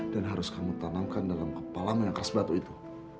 dan harus kamu tanamkan dalam kepala mu yang keras batu itu